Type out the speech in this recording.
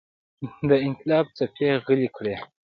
د انقلاب څپې غلې کړي.